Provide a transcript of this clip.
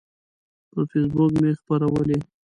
پر فیسبوک مې خپرولی